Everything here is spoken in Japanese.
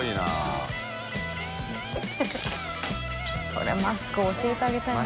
これマスク教えてあげたいな。